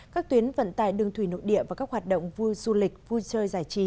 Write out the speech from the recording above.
các tuyến vận tài đường thủy nội địa và các hoạt động vui du lịch vui chơi giải trí